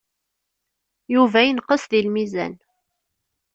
Yuba yenqes deg lmizan.